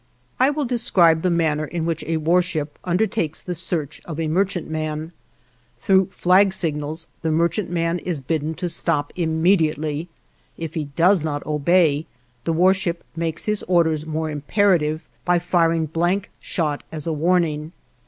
I will describe the manner in which a warship undertakes the search of a merchantman: Through flag signals the merchantman is bidden to stop immediately; if he does not obey, the warship makes his orders more imperative by firing blank shot as a warning.